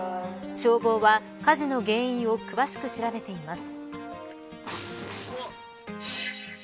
消防は火事の原因を詳しく調べています。